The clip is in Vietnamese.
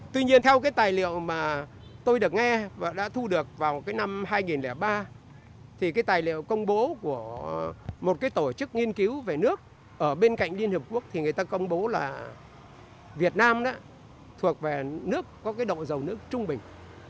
tuy nhiên theo cái tài liệu mà tôi được nghe và đã thu được vào cái năm hai nghìn ba thì cái tài liệu công bố của một cái tổ chức nghiên cứu về nước ở bên cạnh liên hợp quốc thì người ta công bố là việt nam thuộc về nước có cái độ giàu nước trung bình